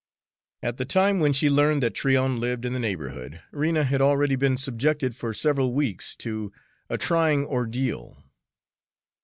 At the time when she learned that Tryon lived in the neighborhood, Rena had already been subjected for several weeks to a trying ordeal.